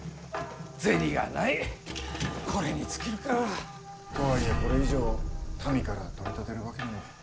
銭がないこれに尽きるか。とはいえこれ以上民から取り立てるわけにも。